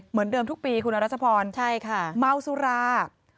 เหมือนเดิมทุกปีคุณรัชพรมัวสุราคมใช่ค่ะ